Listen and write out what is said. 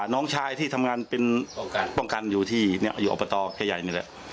น้องชายที่ทำงานเป็นป้องกันอยู่ที่อยู่อบตใหญ่นี่แหละ